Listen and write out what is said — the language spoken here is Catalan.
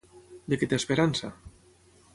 De què té esperança?